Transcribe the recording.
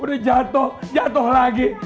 udah jatuh jatuh lagi